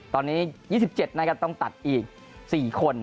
ตอนนี้๒๗นะครับต้องตัดอีก๔คน